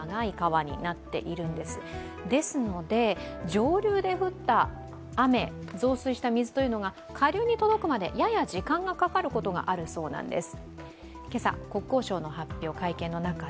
上流で降った雨、増水した水というのが下流に届くまでやや時間がかかることがあるそうです。